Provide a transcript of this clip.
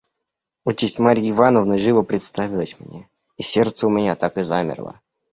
Участь Марьи Ивановны живо представилась мне, и сердце у меня так и замерло.